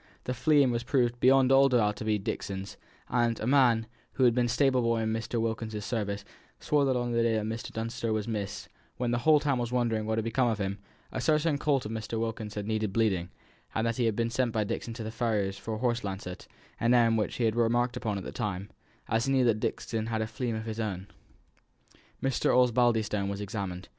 The fleam was proved beyond all doubt to be Dixon's; and a man, who had been stable boy in Mr. Wilkins's service, swore that on the day when Mr. Dunster was missed, and when the whole town was wondering what had become of him, a certain colt of Mr. Wilkins's had needed bleeding, and that he had been sent by Dixon to the farrier's for a horse lancet, an errand which he had remarked upon at the time, as he knew that Dixon had a fleam of his own. Mr. Osbaldistone was examined.